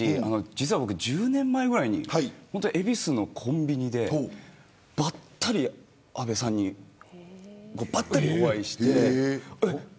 実は僕、１０年前ぐらいに恵比寿のコンビニでばったり安倍さんにお会いして。